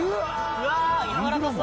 うわー、柔らかそう。